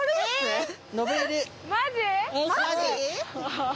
マジ！？